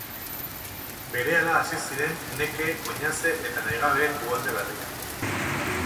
Berehala hasi ziren neke, oinaze eta nahigabeen uholde berriak.